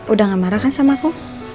udah gak marah kan sama aku